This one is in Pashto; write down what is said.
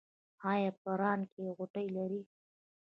ایا په ران کې غوټې لرئ؟